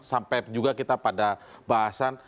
sampai juga kita pada bahasan